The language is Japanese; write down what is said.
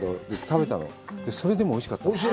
それでもおいしかった。